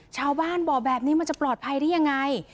ชาวบ้านบอกแบบนี้มันจะปลอดภัยได้ยังไง